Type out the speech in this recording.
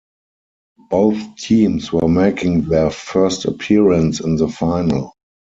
Both teams were making their first appearance in the Final.